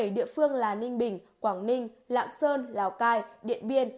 một mươi bảy địa phương là ninh bình quảng ninh lạng sơn lào cai điện biên